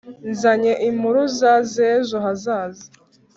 Nzanye impuruza z’ejo hazaza